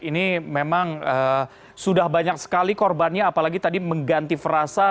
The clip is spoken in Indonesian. ini memang sudah banyak sekali korbannya apalagi tadi mengganti frasa